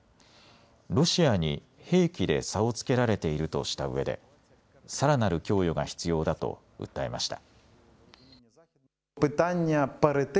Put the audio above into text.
ロシアに兵器で差をつけられているとしたうえでさらなる供与が必要だと訴えました。